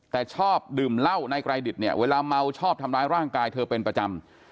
แต่ชอบดื่มเหล้านายไกรดิตเนี่ยเวลาเมาชอบทำร้ายร่างกายเธอเป็นประจำ